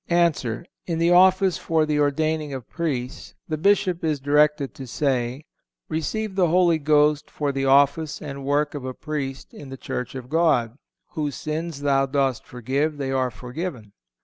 A. In the office for the ordaining of Priests the Bishop is directed to say, "Receive the Holy Ghost for the office and work of a Priest in the Church of God. Whose sins thou dost forgive, they are forgiven."